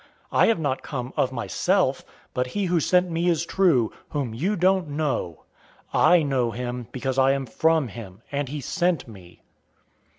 I have not come of myself, but he who sent me is true, whom you don't know. 007:029 I know him, because I am from him, and he sent me."